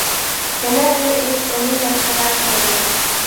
يەنە بىر ئىت ئۇنى مەسخىرە قىلىدۇ.